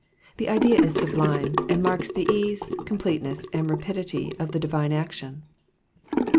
The idea is sublime, and marks the ease, completeness, and rapidity of the divine action.